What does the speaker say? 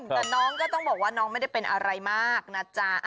แต่น้องก็ต้องบอกว่าน้องไม่ได้เป็นอะไรมากนะจ๊ะ